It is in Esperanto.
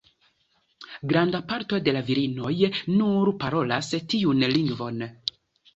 Granda parto de la virinoj nur parolas tiun lingvon.